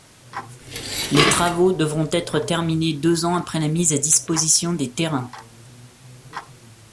Les travaux devront être terminés deux ans après la mise à disposition des terrains.